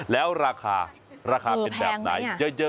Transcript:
แล้วราคาราคาเป็นแบบไหนคือแพงไหม